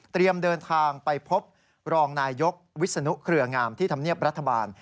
เดินทางไปพบรองนายยกวิศนุเครืองามที่ธรรมเนียบรัฐบาล